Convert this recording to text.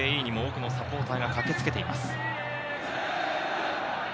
ＵＡＥにも多くのサポーターが駆けつけています。